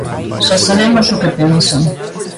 Xa sabemos o que pensan.